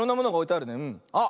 あっ。